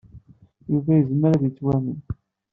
Yuba yezmer ad yettwamen.